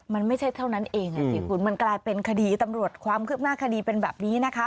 มันไม่ใช่เท่านั้นเองสิคุณมันกลายเป็นคดีตำรวจความคืบหน้าคดีเป็นแบบนี้นะคะ